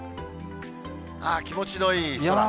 気持ちのいい空。